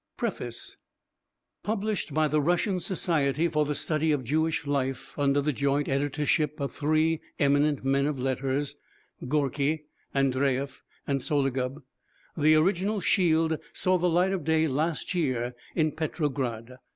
PREFACE Published by the Russian Society for the Study of Jewish Life under the joint editorship of three eminent men of letters, Gorky, Andreyev, and Sologub, the original Shield saw the light of day last year in Petrograd.